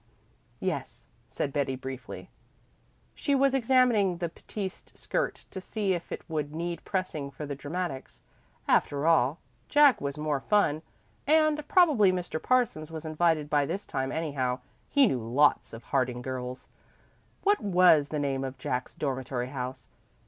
"Yes," said Betty briefly. She was examining the batiste skirt to see if it would need pressing for the dramatics. After all, Jack was more fun, and probably Mr. Parsons was invited by this time anyhow he knew lots of Harding girls. What was the name of Jack's dormitory house?